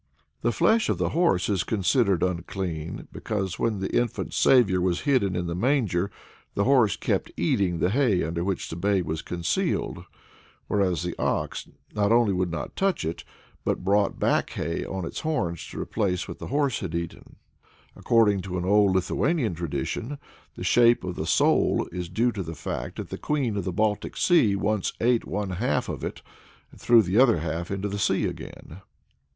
The flesh of the horse is considered unclean, because when the infant Saviour was hidden in the manger the horse kept eating the hay under which the babe was concealed, whereas the ox not only would not touch it, but brought back hay on its horns to replace what the horse had eaten. According to an old Lithuanian tradition, the shape of the sole is due to the fact that the Queen of the Baltic Sea once ate one half of it and threw the other half into the sea again.